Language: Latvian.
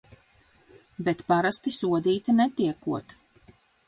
Bet parasti sodīti netiekot.